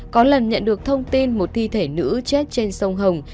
có lần nhận được thông tin một thi thể nữ chết trên sông hồng